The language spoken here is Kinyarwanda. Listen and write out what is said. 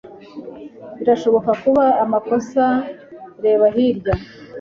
birashobora kuba amakosa reba hirya